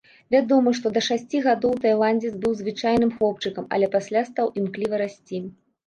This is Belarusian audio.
Вядома, што да шасці гадоў тайландзец быў звычайным хлопчыкам, але пасля стаў імкліва расці.